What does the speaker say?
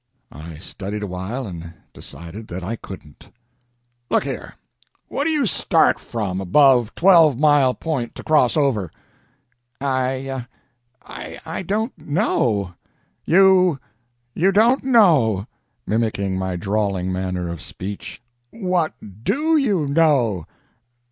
I studied awhile and decided that I couldn't. "Look here! What do you start from, above Twelve Mile Point, to cross over?" "I I don't know." "'You you don't know,"' mimicking my drawling manner of speech. "What do you know?"